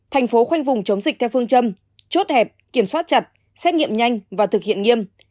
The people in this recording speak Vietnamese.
thành phố khoanh vùng chống dịch theo phương châm chốt hẹp kiểm soát chặt xét nghiệm nhanh và thực hiện nghiêm